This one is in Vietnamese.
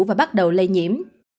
và bắt đầu lây nhiễm